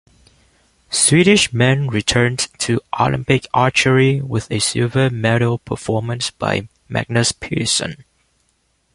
Swedish men returned to Olympic archery with a silver medal performance by Magnus Petersson.